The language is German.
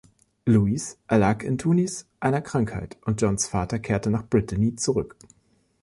Louis erlag in Tunis einer Krankheit und Johns Vater kehrte nach Brittany zurück.